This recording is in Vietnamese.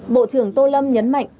bộ trưởng tô lâm nhấn mạnh